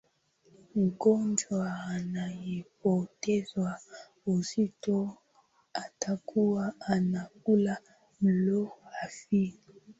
mgonjwa anayepoteza uzito atakuwa anakula mlo hafifu